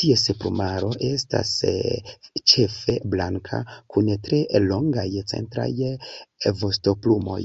Ties plumaro estas ĉefe blanka, kun tre longaj centraj vostoplumoj.